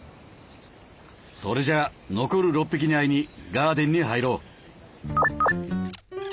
それじゃあ残る６匹に会いにガーデンに入ろう。